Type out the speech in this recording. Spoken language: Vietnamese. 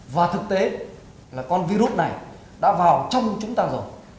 và thực tế là con virus này đã vào trong chúng ta rồi